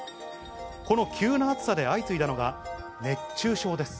この急な暑さで相次いだのが、熱中症です。